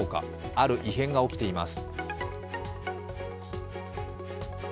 ある異変が起きています。